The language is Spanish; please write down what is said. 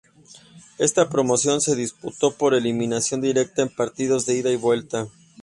Esta promoción se disputó por eliminación directa en partidos de ida y vuelta.